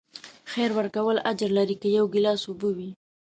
خیر ورکول اجر لري، که یو ګیلاس اوبه وي.